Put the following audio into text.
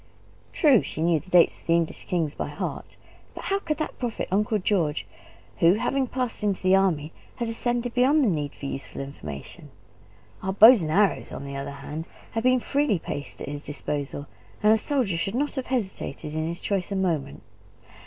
True, she knew the dates of the English kings by heart; but how could that profit Uncle George, who, having passed into the army, had ascended beyond the need of useful information? Our bows and arrows, on the other hand, had been freely placed at his disposal; and a soldier should not have hesitated in his choice a moment.